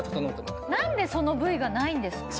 何でそのＶがないんですか？